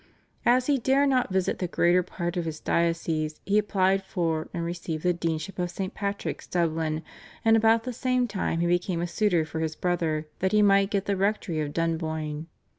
As he dare not visit the greater part of his diocese he applied for and received the Deanship of St. Patrick's, Dublin, and about the same time he became a suitor for his brother that he might get the rectory of Dunboyne.